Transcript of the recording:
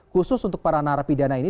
khusus untuk para narapidana ini